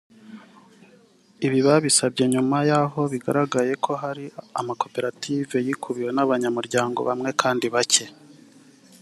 Ibi babisabye nyuma yaho bigaragariye ko hari aho amakoperative yikubiwe n’abanyamuryango bamwe kandi bacye